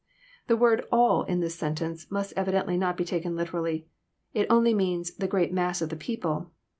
The word *' all," In this sentence, mnst evidently not be taken literally. It only means '' the great mass of the people."